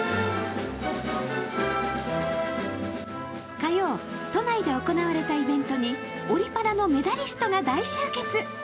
火曜、都内で行われたイベントにオリ・パラのメダリストが大集結。